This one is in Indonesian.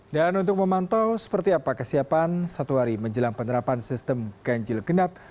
dan untuk memantau seperti apa kesiapan satu hari menjelang penerapan sistem ganjil genap